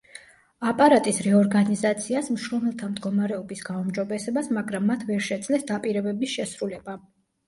აპარატის რეორგანიზაციას, მშრომელთა მდგომარეობის გაუმჯობესებას, მაგრამ მათ ვერ შეძლეს დაპირებების შესრულება.